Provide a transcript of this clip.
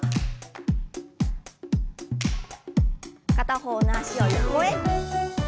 片方の脚を横へ。